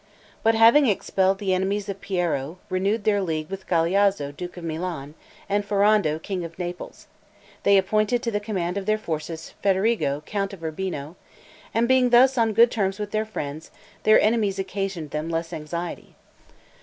But having expelled the enemies of Piero, renewed their league with Galeazzo, duke of Milan, and Ferrando, king of Naples, they appointed to the command of their forces Federigo, count of Urbino; and being thus on good terms with their friends, their enemies occasioned them less anxiety.